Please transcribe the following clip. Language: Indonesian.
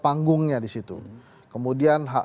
panggungnya disitu kemudian